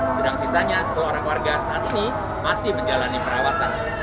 sedang sisanya sepuluh orang warga saat ini masih menjalani perawatan